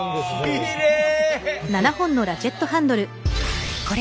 きれい。